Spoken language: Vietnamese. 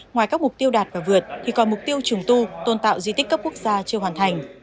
ngoài các mục tiêu đạt và vượt thì còn mục tiêu trùng tu tôn tạo di tích cấp quốc gia chưa hoàn thành